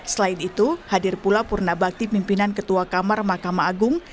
selain itu hadir pula purna bakti pimpinan ketua kamar mahkamah agung